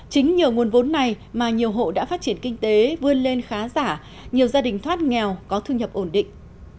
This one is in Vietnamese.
chính nhờ nguồn vốn này mà nhiều hộ đã phát triển kinh tế vươn lên khá giả nhiều gia đình thoát nghèo có thu nhập ổn định